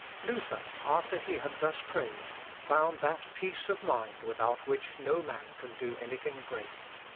Luther, after he had thus prayed, found that peace of mind without which no man can do anything great.